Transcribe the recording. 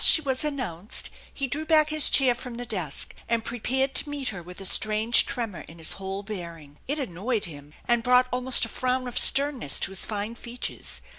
she was announced, he drew back his chair from the desk^ and prepared to meet her with a strange tremor in his whol* bearing. It annoyed him, and brought almost a frown of sternness to his fine features.